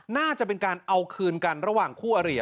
น่าจะเป็นการเอาคืนกันระหว่างคู่อริย